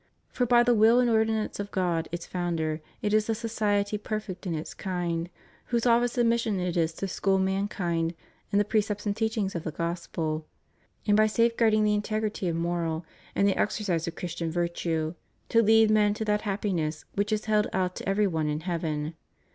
For by the will and ordinance of God, its Founder, it is a society perfect in its kind, whose office and mission it is to school mankind in the precepts and teachings of the Gospel, and by safeguarding the integrity of moral and the exer cise of Christian virtue, to lead men to that happiness which is held out to every one in heaven.